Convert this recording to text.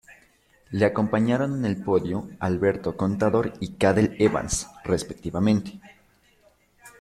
Le acompañaron en el podio Alberto Contador y Cadel Evans, respectivamente.